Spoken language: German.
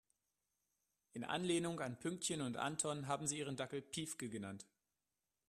In Anlehnung an Pünktchen und Anton haben sie ihren Dackel Piefke genannt.